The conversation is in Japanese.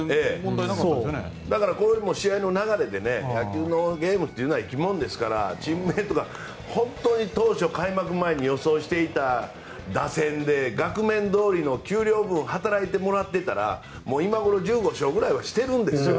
だからもこれも試合の流れで、野球のゲームは生き物ですからチームメートが本当に当初開幕前に予想していた打線で額面どおりの給料分働いてもらってたら今ごろ１５勝ぐらいはしているんですよ。